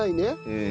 うん。